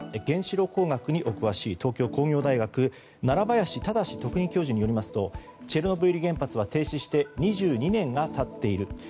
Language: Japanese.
原子力工学にお詳しい東京工業大学奈良林直特任教授によりますとチェルノブイリ原発は停止して２２年が経っている。